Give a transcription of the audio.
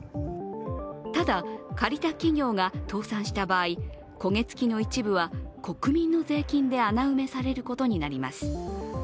ただ、借りた企業が倒産した場合、焦げつきの一部は国民の税金で穴埋めされることになります。